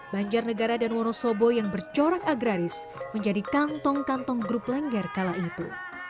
banjarnegara dan wonosobo yang bercorak agraris menjadi kantong kantong grup lengger kala itu